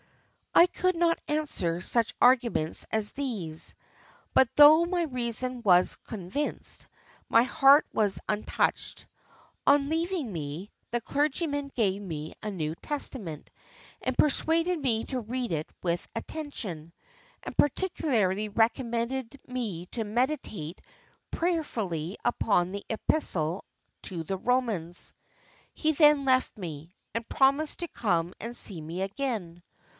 "I could not answer such arguments as these; but though my reason was convinced, my heart was untouched. On leaving me, the clergyman gave me a New Testament, and persuaded me to read it with attention, and particularly recommended me to meditate prayerfully upon the Epistle to the Romans. He then left me, and promised to come and see me again.